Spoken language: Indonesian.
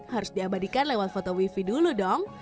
harus diabadikan lewat foto wi fi dulu dong